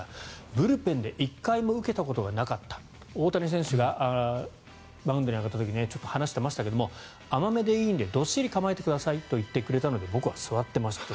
ブルペンで１回も受けたことがなかった大谷選手がマウンドに上がった時にちょっと話していましたが甘めでいいのでどっしり構えてくださいと言われたので僕は座ってましたと。